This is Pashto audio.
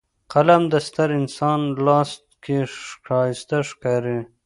قلم د ستر انسان لاس کې ښایسته ښکاري